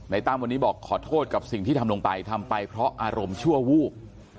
ตั้มวันนี้บอกขอโทษกับสิ่งที่ทำลงไปทำไปเพราะอารมณ์ชั่ววูบ